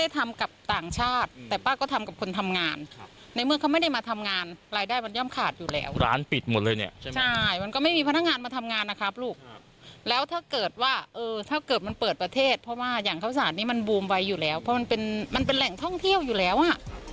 ถ้าเกิดมันเปิดประเทศเพราะว่าอย่างข้าวศาลนี้มันบูมไวอยู่แล้วเพราะมันเป็นแหล่งท่องเที่ยวอยู่แล้วอะ